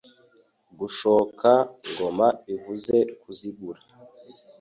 Gukosha ingoma bivuze Kuzigura